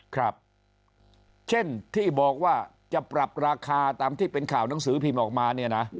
ครับเช่นที่บอกว่าจะปรับราคาตามที่เป็นข่าวหนังสือพิมพ์ออกมาเนี่ยนะ